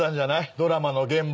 ドラマの現場。